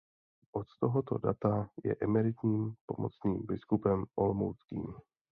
Od tohoto data je emeritním pomocným biskupem olomouckým.